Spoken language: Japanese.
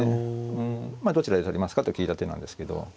うんどちらで取りますかと聞いた手なんですけど。